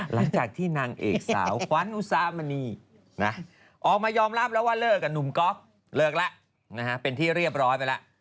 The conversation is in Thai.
หลังจากที่นางเอกสาวขวัญอุสามณีออกมายอมรับแล้วว่าเลิกกับหนุ่มก๊อฟเลิกแล้วเป็นที่เรียบร้อยไปแล้ว